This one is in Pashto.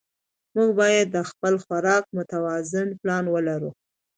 موږ باید د خپل خوراک متوازن پلان ولرو